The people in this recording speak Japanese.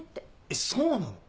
えっそうなの？